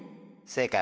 正解！